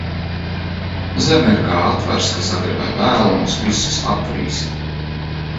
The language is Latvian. Zeme ir kā atvars, kas agri vai vēlu mūs visus aprīs.